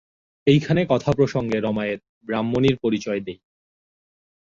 এইখানে কথাপ্রসঙ্গে রমাইয়ের ব্রাহ্মণীর পরিচয় দিই।